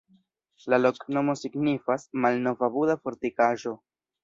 La loknomo signifas: malnova-Buda-fortikaĵo.